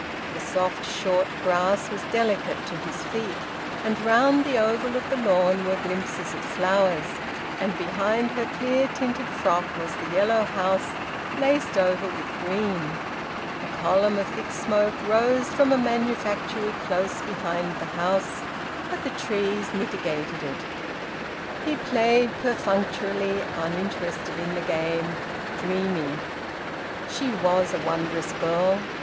The soft short grass was delicate to his feet, and round the oval of the lawn were glimpses of flowers, and behind her clear tinted frock was the yellow house laced over with green. A column of thick smoke rose from a manufactory close behind the house, but the trees mitigated it. He played perfunctorily, uninterested in the game, dreaming. She was a wondrous girl!